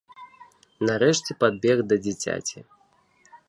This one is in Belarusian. Нарэшце падбег да дзіцяці.